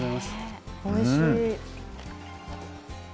おいしい。